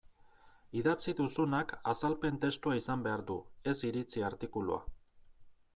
Idatzi duzunak azalpen testua izan behar du, ez iritzi artikulua.